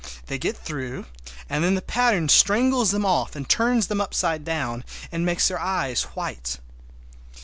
They get through, and then the pattern strangles them off and turns them upside down, and makes their eyes white!